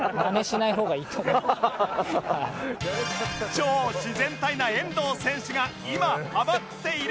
超自然体な遠藤選手が今ハマっているのが